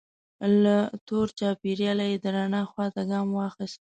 له تور چاپیریاله یې د رڼا خوا ته ګام واخیست.